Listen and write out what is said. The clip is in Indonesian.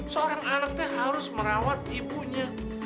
seorang anak itu harus merawat ibunya